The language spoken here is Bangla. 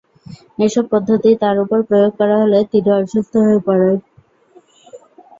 এসব পদ্ধতি তাঁর ওপর প্রয়োগ করা হলে তিনি অসুস্থ হয়ে পড়েন।